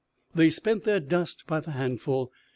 They spent their dust by the handful.